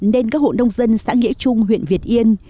nên các hộ nông dân xã nghĩa trung huyện việt yên